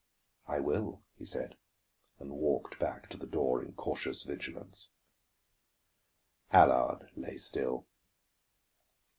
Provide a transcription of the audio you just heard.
"I will," he said, and walked back to the door in cautious vigilance. Allard lay still.